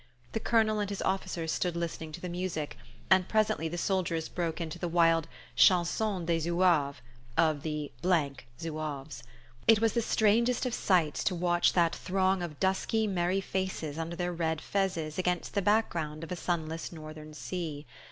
The Colonel and his officers stood listening to the music, and presently the soldiers broke into the wild "chanson des zouaves" of the th zouaves. It was the strangest of sights to watch that throng of dusky merry faces under their red fezes against the background of sunless northern sea.